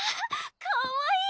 かわいい！